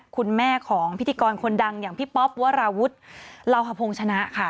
คุณแม่ของพิธีกรคนดังอย่างพี่ป๊อปวราวุฒิลาวหพงศ์ชนะค่ะ